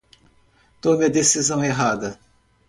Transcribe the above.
Tome a decisão errada